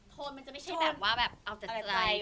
โคนมันจะไม่ใช่แบบว่าแบบเอาแต่ใจ